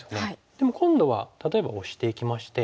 でも今度は例えばオシていきまして。